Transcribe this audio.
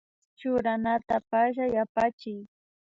Churanata pallay apachiy